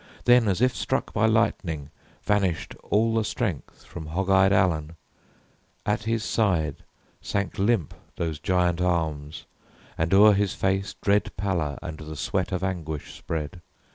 Then, as if struck by lightning, vanished all The strength from hog eyed Allen, at his side Sank limp those giant arms and o'er his face Dread pallor and the sweat of anguish spread.